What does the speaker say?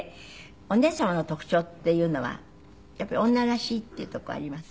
お姉様の特徴っていうのはやっぱり女らしいっていうとこあります？